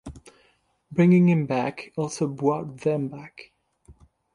Bringing him back also brought them back.